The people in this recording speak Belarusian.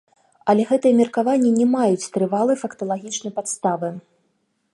Але гэтыя меркаванні не маюць трывалай факталагічнай падставы.